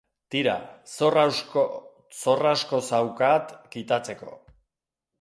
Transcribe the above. Tira, zor asko zaukaat kitatzeko.